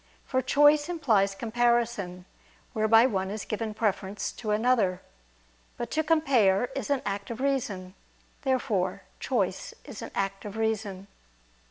For choice implies comparison, whereby one is given preference to another. But to compare is an act of reason. Therefore choice is an act of reason.